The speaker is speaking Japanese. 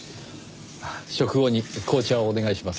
食後に紅茶をお願いします。